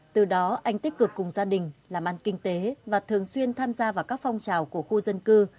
từ đó anh tích cực cùng gia đình làm ăn kinh tế và thường xuyên tham gia vào các phong trào của khu dân cư